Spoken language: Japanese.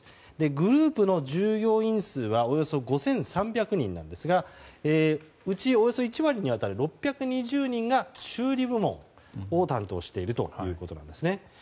グループの従業員数はおよそ５３００人なんですがうち、およそ１割に当たる６２０人が修理部門を担当しているということです。